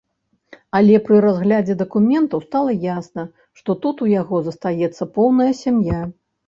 Але пры разглядзе дакументаў стала ясна, што тут у яго застаецца поўная сям'я.